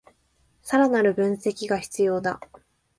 さらなる分析が必要だ